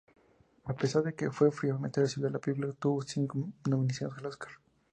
A pesar de que fue fríamente recibida, la película obtuvo cinco nominaciones al Óscar.